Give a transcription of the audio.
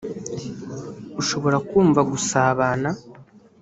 ushobora kumva gusabana